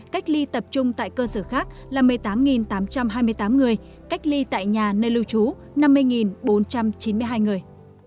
cách ly tập trung tại cơ sở khác là một mươi tám tám trăm hai mươi tám người cách ly tại nhà nơi lưu trú năm mươi bốn trăm chín mươi hai người